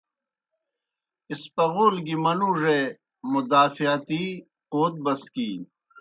اسپغول گیْ منُوڙے مدافعتی قوت بسکِینیْ۔